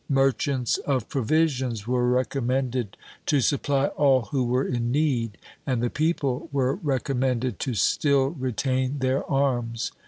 Merchants of provisions were recommended to supply all who were in need; and the people were recommended to still retain their arms.